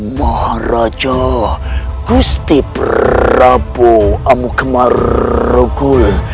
maharaja gusti prabu amuk marugul